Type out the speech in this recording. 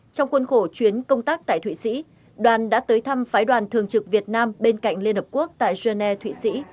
trong khuôn khổ chuyến công tác tại thụy sĩ đoàn đã tới thăm phái đoàn thường trực việt nam bên cạnh liên hợp quốc tại geneva thụy sĩ